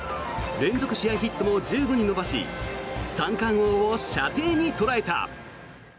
連続試合ヒットも１５に伸ばし三冠王を射程に捉えた。